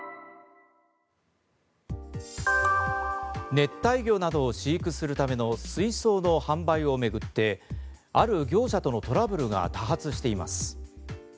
熱帯魚などを飼育するための水槽の販売を巡ってある業者とのトラブルが多発しています。